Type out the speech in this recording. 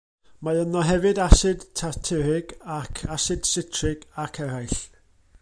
Mae ynddo hefyd asid tartarig ac asid sitrig ac eraill.